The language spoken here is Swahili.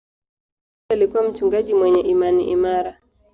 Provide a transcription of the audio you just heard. Baba yake alikuwa mchungaji mwenye imani imara.